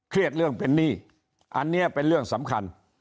เรื่องเป็นหนี้อันนี้เป็นเรื่องสำคัญ